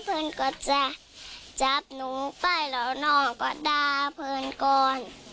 เพลินก็จะจับนุ้งไปแล้วนอนก็ด่าเพลินก่อน